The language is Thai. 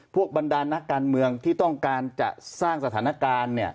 บรรดานักการเมืองที่ต้องการจะสร้างสถานการณ์